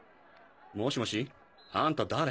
もしもし？あんた誰？